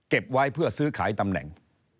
ไว้เพื่อซื้อขายตำแหน่ง